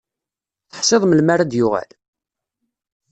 Teḥṣiḍ melmi ara d-yuɣal?